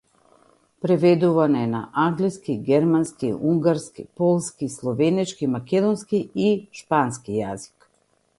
Преведуван е на англиски, германски, унгарски, полски, словенечки, македонски и шпански јазик.